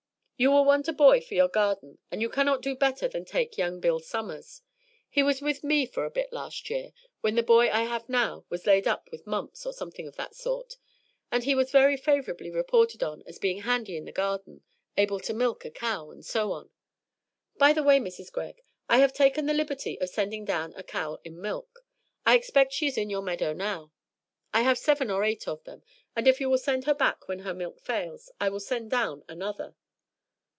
"You will want a boy for your garden; and you cannot do better than take young Bill Summers. He was with me for a bit last year, when the boy I have now was laid up with mumps or something of that sort, and he was very favorably reported on as being handy in the garden, able to milk a cow, and so on. By the way, Mrs. Greg, I have taken the liberty of sending down a cow in milk. I expect she is in your meadow now. I have seven or eight of them, and if you will send her back when her milk fails I will send down another."